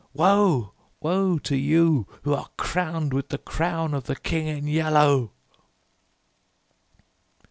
Woe! woe to you who are crowned with the crown of the King in Yellow!"